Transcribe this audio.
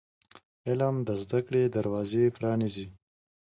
علم د زده کړې دروازې پرانیزي.